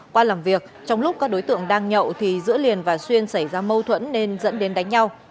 qua làm việc trong lúc các đối tượng đang nhậu thì giữa liền và xuyên xảy ra mâu thuẫn nên dẫn đến đánh nhau